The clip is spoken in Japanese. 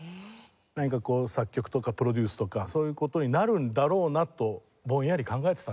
何か作曲とかプロデュースとかそういう事になるんだろうなとぼんやり考えてたんですよ